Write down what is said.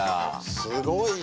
すごいね。